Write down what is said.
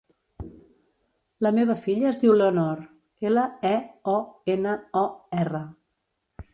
La meva filla es diu Leonor: ela, e, o, ena, o, erra.